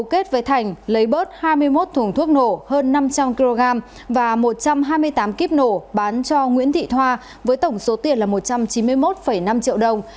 kết với thành lấy bớt hai mươi một thùng thuốc nổ hơn năm trăm linh kg và một trăm hai mươi tám kíp nổ bán cho nguyễn thị thoa với tổng số tiền là một trăm chín mươi một năm triệu đồng